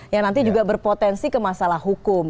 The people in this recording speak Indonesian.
yang nanti juga berpotensi ke masalah hukum